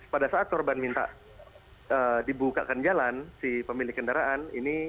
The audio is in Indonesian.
pada saat korban minta dibukakan jalan si pemilik kendaraan ini